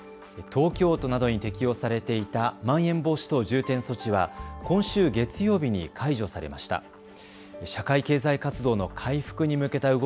東京都などに適用されていたまん延防止等重点措置は今週月曜日に解除されました。